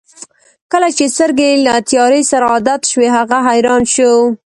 کله چې سترګې یې له تیارې سره عادت شوې هغه حیران شو.